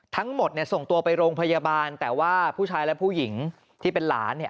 ทั้งหมดเนี่ยส่งตัวไปโรงพยาบาลแต่ว่าผู้ชายและผู้หญิงที่เป็นหลานเนี่ย